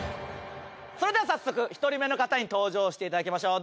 それでは早速１人目の方に登場していただきましょう